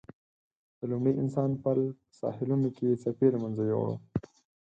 د لومړي انسان پل په ساحلونو کې څپې له منځه یووړ.